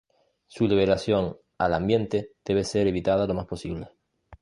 Su liberación al ambiente debe ser evitada lo más posible.